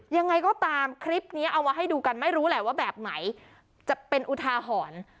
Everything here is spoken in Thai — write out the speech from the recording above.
ยังไงก็ตามคลิปนี้เอามาให้ดูกันไม่รู้แหละว่าแบบไหนจะเป็นอุทาหรณ์